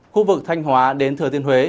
khu vực thanh hóa đến thừa tiên huế